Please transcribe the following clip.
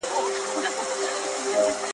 چي په مرگ ئې ونيسې، په تبه به راضي سي.